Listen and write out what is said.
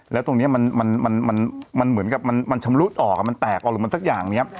แล้วตรงนี้มันเหมือนกับมันชำรุดออกมันแตกออกหรือมันสักอย่างนี้